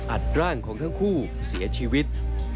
ร่างของทั้งคู่เสียชีวิต